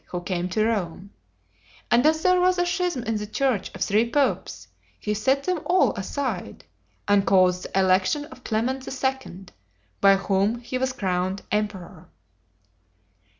who came to Rome; and as there was a schism in the church of three popes, he set them all aside, and caused the election of Clement II., by whom he was crowned emperor.